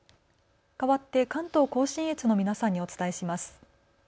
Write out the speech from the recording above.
かわって関東甲信越の皆さんにお伝えします。